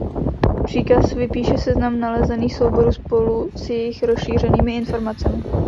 Příkaz vypíše seznam nalezených souborů spolu s jejich rozšířenými informacemi.